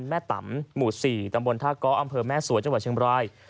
แม่ตำหมู่๔ตำบลท่าก้ออำเภอแม่สวยจังหวัดเชียงบราย